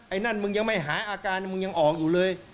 นั่นมึงยังไม่หาอาการมึงยังออกอยู่เลย